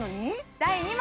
第２問！